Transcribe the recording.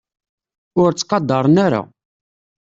Ur ttqadaren ara.